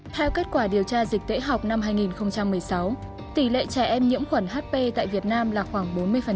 theo kết quả điều tra dịch tễ học năm hai nghìn một mươi sáu tỷ lệ trẻ em nhiễm khuẩn hp tại việt nam là khoảng bốn mươi